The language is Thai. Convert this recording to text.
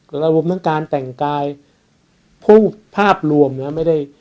และระบบทั้งการแต่งกายผู้ภาพรวมเนี่ยไม่ได้